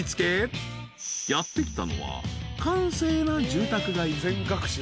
［やって来たのは閑静な住宅街］